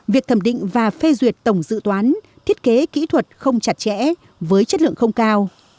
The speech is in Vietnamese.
việc thẩm định và phê duyệt tổng dự toán thiết kế kỹ thuật không chặt chẽ với chất lượng không cao